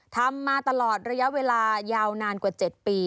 ทำมาตลอดระยะเวลายาวนานกว่า๗ปี